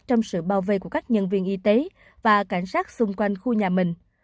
trong sự bao vây của các nhân viên y tế và cảnh sát xung quanh khu nhà mình